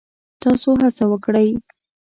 تاسو هڅه وکړئ